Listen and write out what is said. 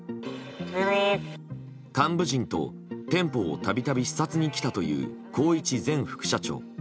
幹部陣と店舗を度々視察に来たという宏一前副社長。